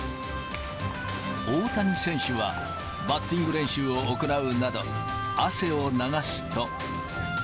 大谷選手は、バッティング練習を行うなど、汗を流すと。